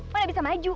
pada bisa maju